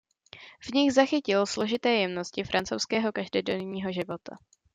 V nich zachytil složité jemnosti francouzského každodenního života.